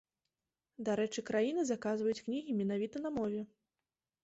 Дарэчы, краіны заказваюць кнігі менавіта на мове.